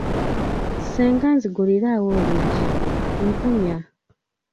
Senga nzigulirawo oluggi, mpunya.